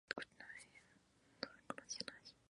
Kimberley le presentó a Bec a su futuro esposo Lleyton.